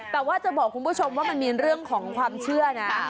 แต่ว่าจะบอกคุณผู้ชมว่ามันมีเรื่องของความเชื่อนะ